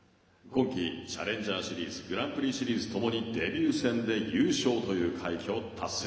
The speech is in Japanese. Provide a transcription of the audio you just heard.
今季チャレンジャーシリーズグランプリシリーズともにデビュー戦で優勝という快挙を達成。